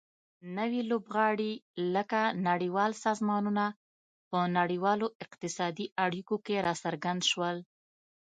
نوي لوبغاړي لکه نړیوال سازمانونه په نړیوالو اقتصادي اړیکو کې راڅرګند شول